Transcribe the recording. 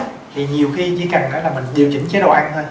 thì nhiều khi chỉ cần phải là mình điều chỉnh chế độ ăn thôi